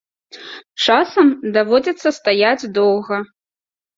Часам даводзіцца стаяць доўга.